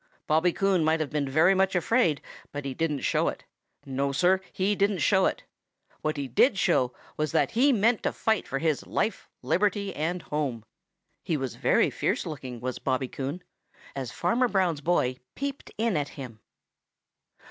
Bobby Coon might have been very much afraid, but he didn't show it. No, Sir, he didn't show it. What he did show was that he meant to fight for his life, liberty, and home. He was very fierce looking, was Bobby Coon, as Farmer Brown's boy peeped in at him.